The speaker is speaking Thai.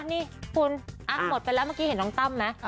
นี่คุณหมดไปแล้วเมื่อกี้เห็นน้องตั้มไหม